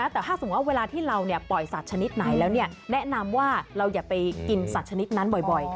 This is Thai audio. แต่ถ้าสมมุติว่าเวลาที่เราปล่อยสัตว์ชนิดไหนแล้วแนะนำว่าเราอย่าไปกินสัตว์ชนิดนั้นบ่อย